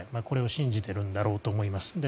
これを信じているんだろうと思います。